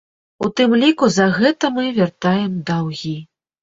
У тым ліку за гэта мы вяртаем даўгі.